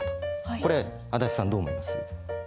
これ足立さんどう思います？